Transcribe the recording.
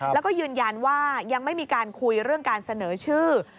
แล้วก็ยืนยันว่ายังไม่มีการคุยเรื่องการเสนอชื่อ